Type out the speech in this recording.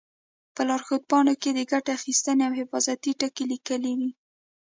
په لارښود پاڼو کې د ګټې اخیستنې او حفاظتي ټکي لیکلي وي.